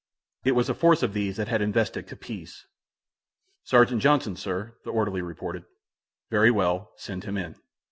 It was a force of these that had invested Capiz. "Sergeant Johnson, sir," the orderly reported. "Very well. Send him in."